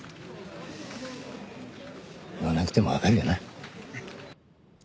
言わなくてもわかるよな？